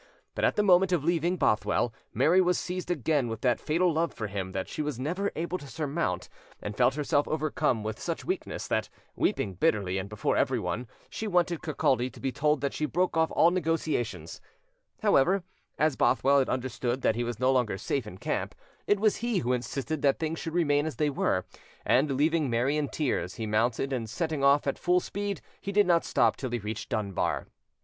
But at the moment of leaving Bothwell, Mary was seized again with that fatal love for him that she was never able to surmount, and felt herself overcome with such weakness, that, weeping bitterly, and before everyone, she wanted Kirkcaldy to be told that she broke off all negotiations; however, as Bothwell had understood that he was no longer safe in camp, it was he who insisted that things should remain as they were; and, leaving Mary in tears, he mounted, and setting off at full speed, he did not stop till he reached Dunbar.